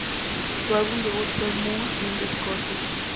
Su álbum debut fue Moon In The Scorpio.